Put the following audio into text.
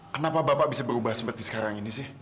kenapa bapak bisa berubah seperti sekarang ini sih